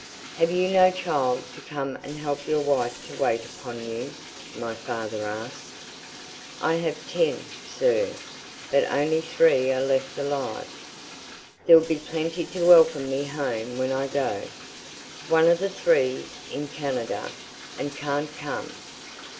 "Have you no child to come and help your wife to wait upon you?" my father asked. "I have had ten, sir, but only three are left alive. There'll be plenty to welcome me home when I go. One of the three's in Canada, and can't come.